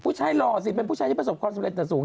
หล่อสิเป็นผู้ชายที่ประสบความสำเร็จแต่สูง